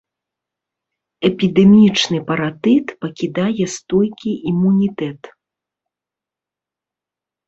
Эпідэмічны паратыт пакідае стойкі імунітэт.